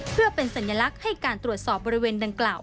เพื่อเป็นสัญลักษณ์ให้การตรวจสอบบริเวณดังกล่าว